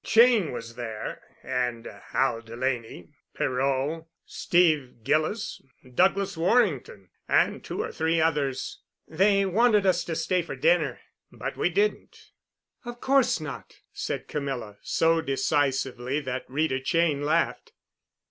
Cheyne was there and Hal Dulaney, Perot, Steve Gillis, Douglas Warrington, and two or three others. They wanted us to stay for dinner. But we didn't." "Of course not," said Camilla so decisively that Rita Cheyne laughed.